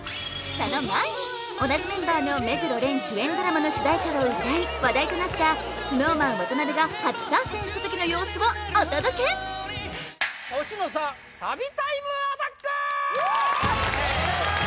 その前に同じメンバーの目黒蓮主演ドラマの主題歌を歌い話題となったＳｎｏｗＭａｎ渡辺が初参戦したときの様子をお届け年の差サビタイムアタック！